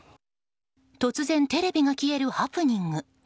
突然テレビが消えるハプニング。